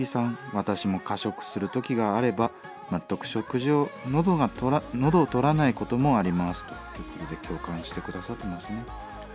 「私も過食する時があれば全く食事が喉を通らないこともあります」ということで共感して下さってますね。